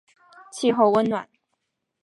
气候温暖。